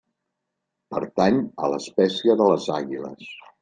Pertany a l'espècie de les Àguiles.